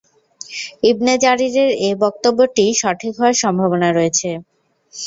ইবনে জারীরের এ বক্তব্যটি সঠিক হওয়ার সম্ভাবনা রয়েছে।